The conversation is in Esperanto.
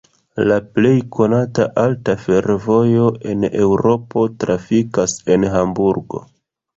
La plej konata alta fervojo en Eŭropo trafikas en Hamburgo.